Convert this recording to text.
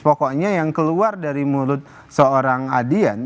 pokoknya yang keluar dari mulut seorang adian